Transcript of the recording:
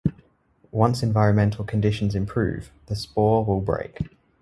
Once environmental conditions improve, the spore will break.